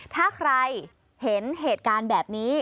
ถ้าใครเห็นเหตุการณ์แบบนี้